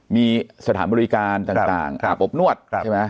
มีสถานบริการต่างอาบอบนวดใช่ไหม